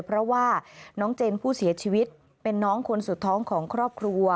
เพราะว่าน้องเจนผู้เสียชีวิตเป็นน้องคนสุดท้องของครอบครัว